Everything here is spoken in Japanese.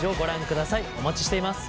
お待ちしています。